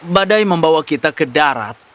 badai membawa kita ke darat